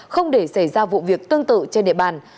không để xảy ra vụ việc tương tự trên địa bàn